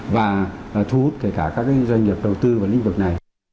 và thu hút kể cả các doanh nghiệp đầu tư vào lĩnh vực này